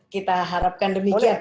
kita harapkan demikian